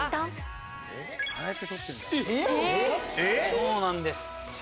そうなんです。